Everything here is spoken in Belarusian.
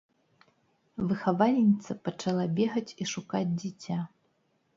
Выхавальніца пачала бегаць і шукаць дзіця.